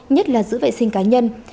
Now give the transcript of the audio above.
nhất là giữ vệ sinh cá nhân